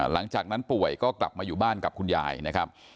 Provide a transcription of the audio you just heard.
หลังจากนั้นป่วยก็กลับมาอยู่บ้านกับคุณยายนะครับ